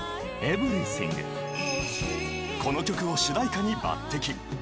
［この曲を主題歌に抜てき］